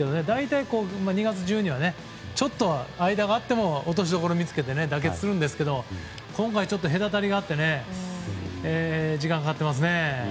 大体２月中にはちょっとは間があっても落としどころを見つけて妥結するんですけど今回、隔たりがあって時間かかってますね。